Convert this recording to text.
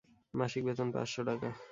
মাসিক বেতন পাঁচ শ টাকা।